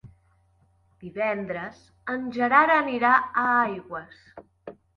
Divendres en Gerard anirà a Aigües.